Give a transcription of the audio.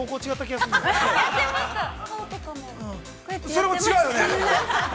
◆それは違うよね。